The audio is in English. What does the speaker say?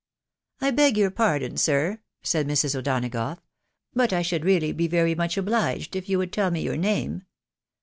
" I beg your pardon, sir." said Mrs. O'Donagough ...." but I should really be very much obliged if you would tell me your name."